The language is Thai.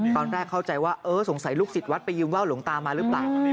ตอนแรกเข้าใจว่าเออสงสัยลูกศิษย์วัดไปยืมว่าวหลวงตามาหรือเปล่า